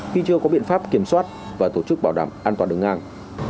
khi chưa có biện pháp kiểm soát và tổ chức bảo đảm an toàn đường ngang